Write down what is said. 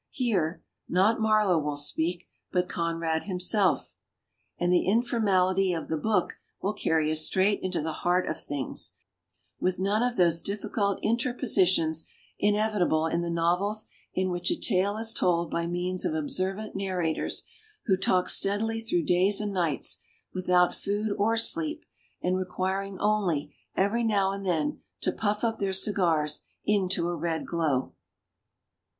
Here, not Mar low will speak, but Conrad himself. And the informality of the book will carry us straight into the heart of things, with none of those difiicult in terpositions inevitable in the novels in which a tale is told by means of ob servant narrators who talk steadily through days and nights, without food or sleep, and requiring only, every now and then, to puff up their cigars into a red glow.